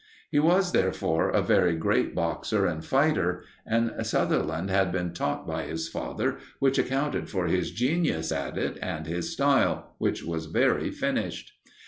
He was, therefore, a very great boxer and fighter, and Sutherland had been taught by his father, which accounted for his genius at it and his style, which was very finished.